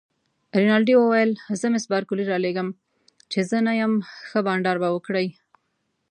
رینالډي وویل: زه مس بارکلي رالېږم، چي زه نه یم، ښه بانډار به وکړئ.